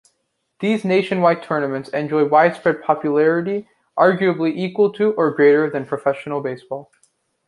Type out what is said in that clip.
These nationwide tournaments enjoy widespread popularity, arguably equal to or greater than professional baseball.